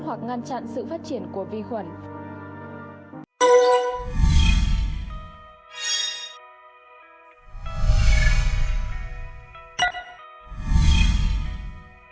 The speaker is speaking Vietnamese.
hoặc ngăn chặn sự phát triển của vi khuẩn